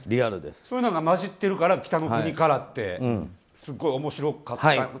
そういうのが混じってるから「北の国から」ってすごく面白かったなって。